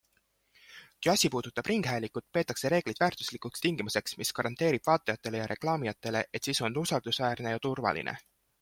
Kui asi puudutab ringhäälingut, peetakse reegleid väärtuslikuks tingimuseks, mis garanteerib vaatajatele ja reklaamijatele, et sisu on usaldusväärne ja turvaline.